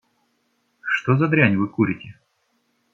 Что за дрянь Вы курите.